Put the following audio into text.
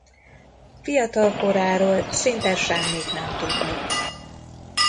Fiatalkoráról szinte semmit nem tudni.